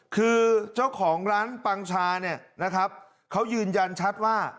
คือเจ้าของร้านปังชาเนี่ยนะครับเขายืนยันชัดว่า